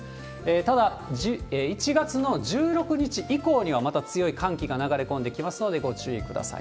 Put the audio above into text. ただ、１月の１６日以降にはまた強い寒気が流れ込んできますので、ご注意ください。